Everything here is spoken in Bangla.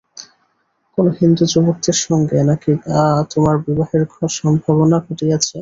কোনো হিন্দু যুবকের সঙ্গে নাকি তোমার বিবাহের সম্ভাবনা ঘটিয়াছে।